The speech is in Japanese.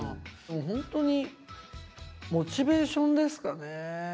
ホントにモチベーションですかね。